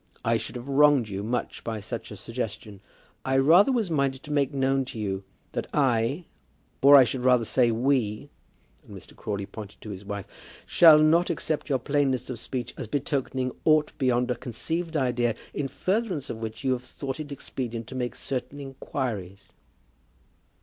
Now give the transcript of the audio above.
I should have wronged you much by such a suggestion. I rather was minded to make known to you that I, or, I should rather say, we," and Mr. Crawley pointed to his wife, "shall not accept your plainness of speech as betokening aught beyond a conceived idea in furtherance of which you have thought it expedient to make certain inquiries."